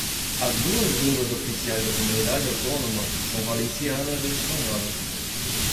As duas línguas oficiais da comunidade autônoma são valencianas e espanholas.